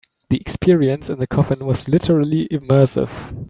The experience in the coffin was literally immersive.